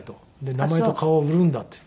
名前と顔を売るんだっていって。